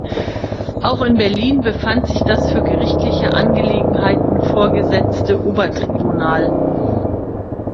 Auch in Berlin befand sich das für gerichtliche Angelegenheiten vorgesetzte Obertribunal.